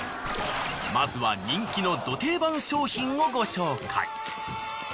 まずは人気のド定番商品をご紹介。